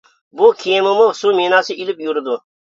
بۇ كېمىمۇ سۇ مىناسى ئېلىپ يۈرىدۇ.